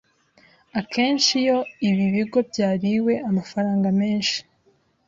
akenshi iyo ibi bigo byariwe amafaranga menshi